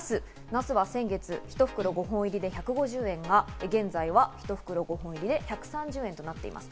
ナスは先月、１袋５本入りで１５０円が現在は１袋５本入りで１３０円となっています。